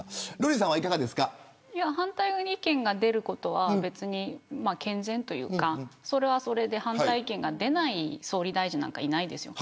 反対の意見が出ることは健全というか、それはそれで反対意見が出ない総理大臣なんかいないですよ。